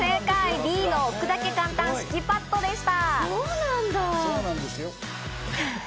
Ｂの置くだけ簡単敷きパッドでした。